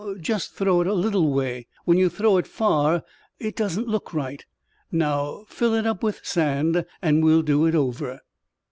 Just throw it a little way. When you throw it far, it doesn't look right. Now fill it up with sand, and we'll do it over."